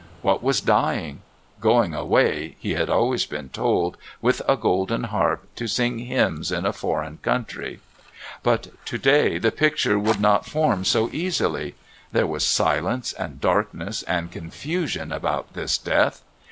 What was dying? Going away, he had always been told, with a golden harp, to sing hymns in a foreign country. But to day the picture would not form so easily. There was silence and darkness and confusion about this Death.